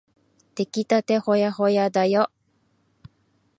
できたてほやほやだよ。